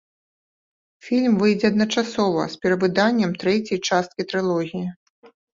Фільм выйдзе адначасова з перавыданнем трэцяй часткі трылогіі.